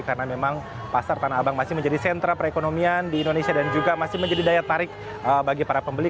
karena memang pasar tanah abang masih menjadi sentra perekonomian di indonesia dan juga masih menjadi daya tarik bagi para pembeli